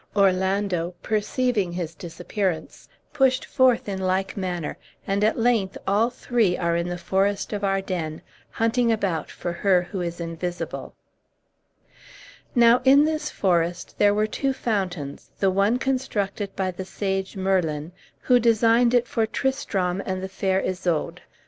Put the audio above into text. Orlando, perceiving his disappearance, pushed forth in like manner; and, at length, all three are in the forest of Arden, hunting about for her who is invisible. Now in this forest there were two fountains, the one constructed by the sage Merlin, who designed it for Tristram and the fair Isoude; [Footnote: See their story in "King Arthur and His Knights."